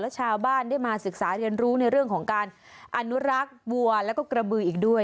และชาวบ้านได้มาศึกษาเรียนรู้ในเรื่องของการอนุรักษ์วัวแล้วก็กระบืออีกด้วย